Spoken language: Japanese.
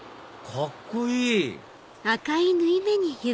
カッコいい！